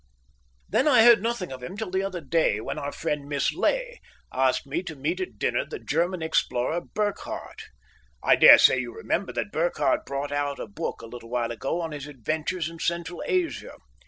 Then I heard nothing of him till the other day, when our friend Miss Ley asked me to meet at dinner the German explorer Burkhardt. I dare say you remember that Burkhardt brought out a book a little while ago on his adventures in Central Asia.